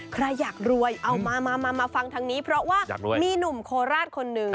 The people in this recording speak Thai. ใครอยากรวยเอามามาฟังทางนี้เพราะว่ามีหนุ่มโคราชคนหนึ่ง